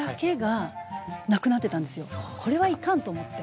これはいかんと思って。